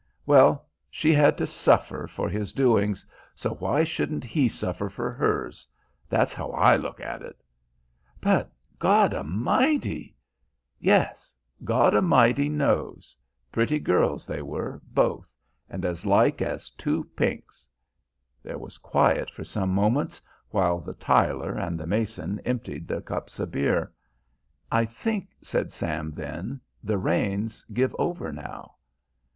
Well, she had to suffer for his doings, so why shouldn't he suffer for hers. That's how I look at it...." "But God a mighty...!" "Yes, God a mighty knows. Pretty girls they were, both, and as like as two pinks." There was quiet for some moments while the tiler and the mason emptied their cups of beer. "I think," said Sam then, "the rain's give over now."